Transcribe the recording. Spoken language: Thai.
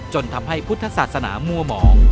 จนทำให้พุทธศาสนามั่วหมอง